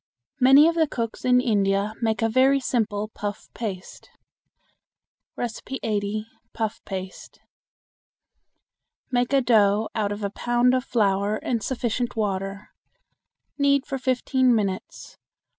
Many of the cooks in India make a very simple puff paste. [Illustration: A FAKIR OF BOMBAY] 80. Puff Paste. Make a dough out of a pound of flour and sufficient water. Knead for fifteen minutes.